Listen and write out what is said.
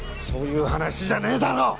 そういう話じゃねえだろ！